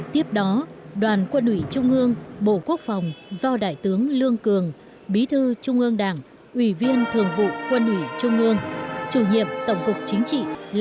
tiếp đó đoàn quân ủy trung ương bộ quốc phòng do đại tướng lương cường bí thư trung ương đảng ủy viên thường vụ quân ủy trung ương chủ nhiệm tổng cục chính trị